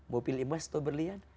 mau pilih emas atau berlian